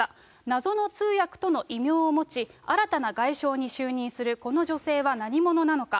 謎の通訳とも異名を持ち、新たな外相に就任するこの女性は何者なのか。